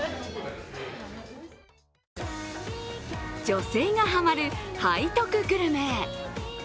女性がハマる背徳グルメ。